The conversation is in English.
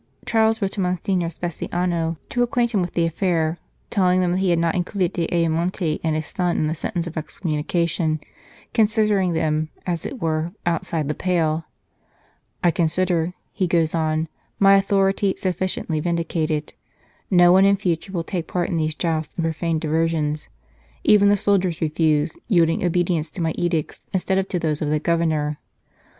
Charles wrote to Monsignor Speciano to acquaint him with the affair, telling him that he had not included D Ayamonte and his son in the sentence of excommunication, considering them, as it were, outside the pale. " I consider," he goes on, " my authority sufficiently vindicated. No one in future will take part in these jousts and profane diver sions ; even the soldiers refuse, yielding obedience to my edicts instead of to those of the Governor.